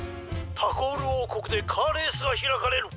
☎タコールおうこくでカーレースがひらかれる。